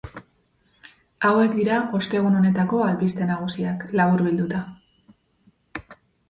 Hauek dira ostegun honetako albiste nagusiak, laburbilduta.